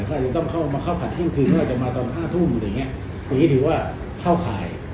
ก็จะต้องเข้ามาเข้าผ่านที่กลางคืนเพราะจะมาตอน๕ทุ่มอย่างนี้ถือว่าเข้าข่าย